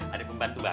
ada pembantu baru mak